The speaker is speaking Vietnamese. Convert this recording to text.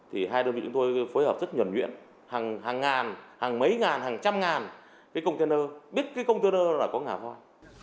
hai đơn vị chúng tôi phối hợp rất nhuẩn nguyện hàng ngàn hàng mấy ngàn hàng trăm ngàn biết cái container đó là có ngả vòi